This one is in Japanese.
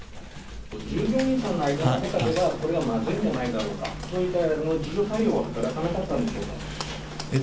従業員さんの間の中では、これはまずいのではないかとか、そういう自浄作用は働かなかったのでしょうか。